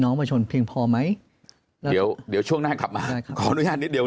น้องประชุนเพียงพอไหมเดี๋ยวช่วงหน้ากลับมาขออนุญาตนิดเดี๋ยว